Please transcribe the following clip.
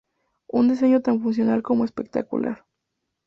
Un diseño tan funcional como espectacular.